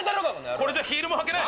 これじゃヒールも履けない。